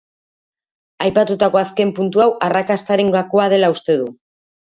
Aipatutako azken puntu hau arrakastaren gakoa dela uste du.